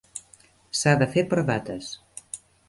S'ha de fer per dates.